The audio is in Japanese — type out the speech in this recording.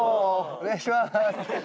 お願いします。